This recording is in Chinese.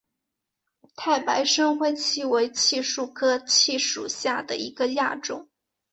太白深灰槭为槭树科槭属下的一个亚种。